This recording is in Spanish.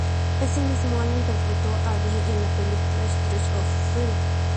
Ese mismo año interpretó a Addie en la película "Streets of Fire".